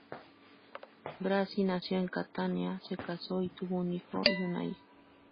Grassi nació en Catania, se casó, y tuvo un hijo y una hija.